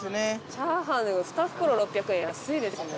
チャーハン２袋６００円安いですね。